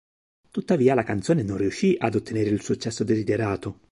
Tuttavia la canzone non riuscì ad ottenere il successo desiderato.